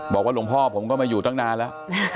บอกว่าหลวงพ่อผมก็มาอยู่ตั้งนานแล้ว